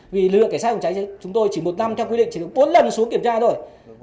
vì lực lượng cảnh sát phòng cháy cháy chúng tôi chỉ một năm theo quy định chỉ được bốn lần xuống kiểm tra thôi